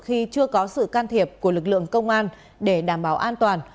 khi chưa có sự can thiệp của lực lượng công an để đảm bảo an toàn